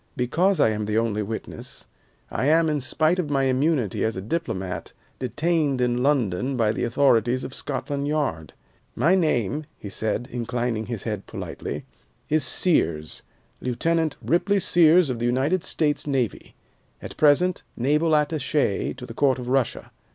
Because I am the only witness, I am, in spite of my immunity as a diplomat, detained in London by the authorities of Scotland Yard. My name," he said, inclining his head politely, "is Sears, Lieutenant Ripley Sears of the United States Navy, at present Naval Attache to the Court of Russia.